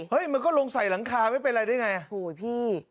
มันก็ลงใส่หลังคาไม่เป็นไรได้ไงโหยพี่